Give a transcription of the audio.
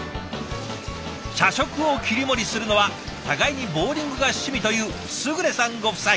社食を切り盛りするのは互いにボウリングが趣味という勝さんご夫妻。